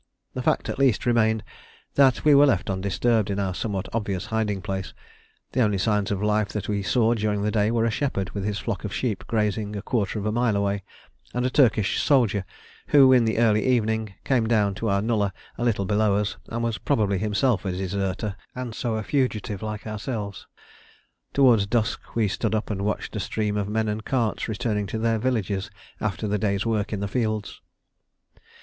The fact at least remained, that we were left undisturbed in our somewhat obvious hiding place: the only signs of life that we saw during the day were a shepherd with his flock of sheep grazing a quarter of a mile away, and a Turkish soldier who, in the early evening, came down to our nullah a little below us, and was probably himself a deserter and so a fugitive like ourselves. Towards dusk we stood up and watched a stream of men and carts returning to their villages after the day's work in the fields.